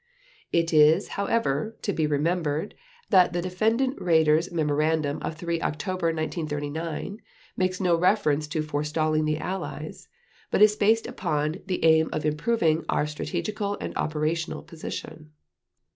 It is, however, to be remembered that the Defendant Raeder's memorandum of 3 October 1939 makes no reference to forestalling the Allies, but is based upon "the aim of improving our strategical and operational position."